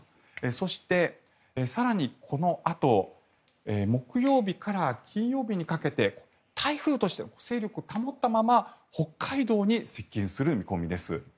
そして、更にこのあと木曜日から金曜日にかけて台風として勢力を保ったまま北海道に接近する見込みです。